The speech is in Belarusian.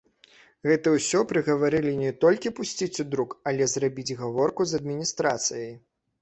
Гэта ўсё прыгаварылі не толькі пусціць у друк, але зрабіць гаворку з адміністрацыяй.